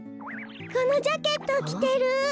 このジャケットをきてる！